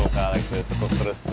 liat tuh kak alex tuh tutup terus tuh